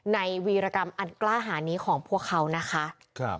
วีรกรรมอันกล้าหานี้ของพวกเขานะคะ